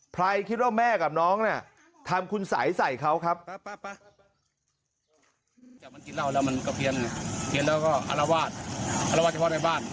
ใครคิดว่าแม่กับน้องเนี่ยทำคุณสัยใส่เขาครับ